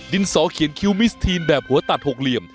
สอเขียนคิวมิสทีนแบบหัวตัดหกเหลี่ยม